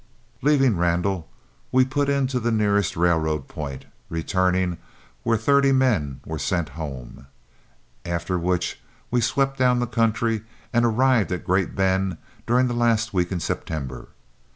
Leaving Randall, we put in to the nearest railroad point returning, where thirty men were sent home, after which we swept down the country and arrived at Great Bend during the last week in September.